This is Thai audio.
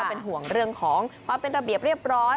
เป็นห่วงเรื่องของความเป็นระเบียบเรียบร้อย